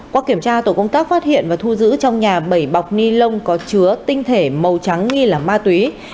qua kiểm tra tổ công tác phát hiện và thu giữ trong nhà bảy bọc ni lông có chứa tinh thể màu trắng nghi là ma túy